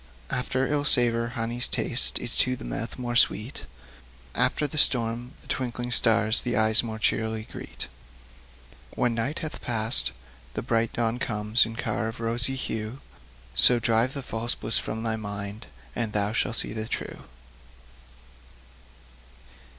After ill savour, honey's taste Is to the mouth more sweet; After the storm, the twinkling stars The eyes more cheerly greet. When night hath past, the bright dawn comes In car of rosy hue; So drive the false bliss from thy mind, And thou shall see the true.